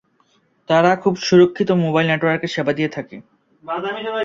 তারা খুব সুরক্ষিত মোবাইল নেটওয়ার্কের সেবা দিয়ে থাকে।